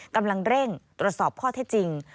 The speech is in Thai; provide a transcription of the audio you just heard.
กำลังเร่งตรวจสอบข้อเท็จจริง